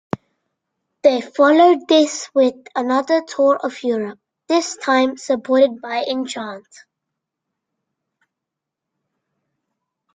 They followed this with another tour of Europe, this time supported by Enchant.